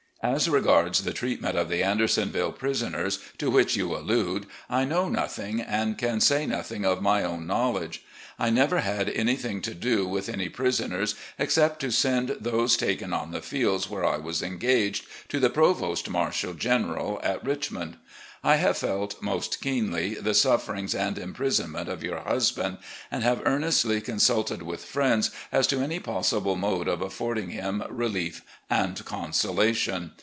As regards the treatment of the Andersonville prisoners, to which you allude, I know nothing and can say nothing of my own knowledge. I never had anything to do with any prisoners, except to send those taken on the fields, where I was engaged, to the Provost Marshal General at Richmond. I have felt most keenly the sufferings and imprisonment of your husband, and have earnestly con sulted with friends as to any possible mode of affording him relief and consolation.